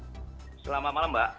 selamat malam mbak